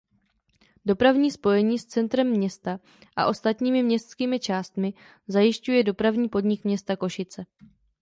Dopravní spojení s centrem města a ostatními městskými částmi zajišťuje Dopravní podnik města Košice.